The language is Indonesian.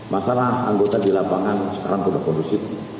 masalah anggota di lapangan sekarang sudah kondusif